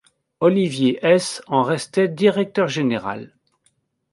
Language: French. Olivier Hesse en restait directeur général.